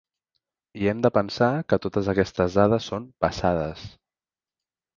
I hem de pensar que totes aquestes dades són passades.